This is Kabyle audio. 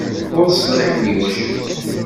Ur ṣliḥen i wacemma.